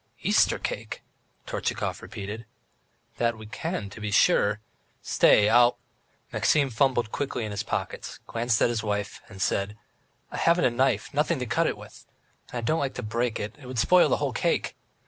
"Easter cake?" Tortchakov repeated, "That we can, to be sure. ... Stay, I'll. ..." Maxim fumbled quickly in his pockets, glanced at his wife, and said: "I haven't a knife, nothing to cut it with. And I don't like to break it, it would spoil the whole cake.